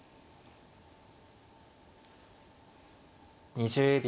２０秒。